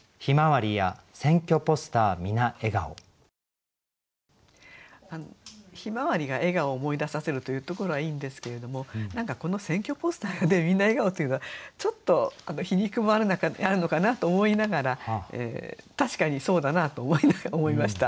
向日葵が笑顔を思い出させるというところはいいんですけれども何かこの選挙ポスターがみんな笑顔というのはちょっと皮肉もあるのかなと思いながら確かにそうだなと思いました。